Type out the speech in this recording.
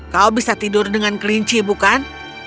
kau bisa tidur dengan kelinci bukan